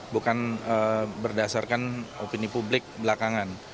bukan berdasarkan opini publik belakangan